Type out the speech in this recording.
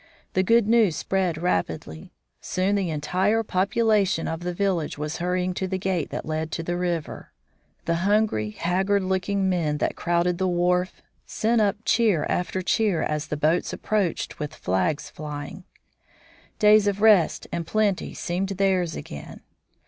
The good news spread rapidly. Soon the entire population of the village was hurrying to the gate that led to the river. The hungry, haggard looking men that crowded the wharf sent up cheer after cheer as the boats approached with flags flying. Days of rest and plenty seemed theirs again.